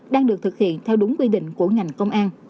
đang được thực hiện theo đúng quy định của ngành công an